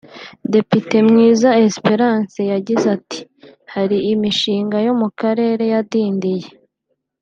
Depite Mwiza Espérance yagize ati “ Hari imishinga yo mu karere yadindiye